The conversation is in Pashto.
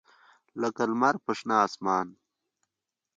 لکه لمر په شنه اسمان